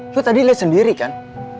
itu tadi lihat sendiri kan